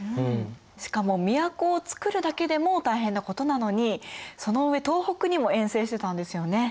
しかも都をつくるだけでも大変なことなのにその上東北にも遠征してたんですよね。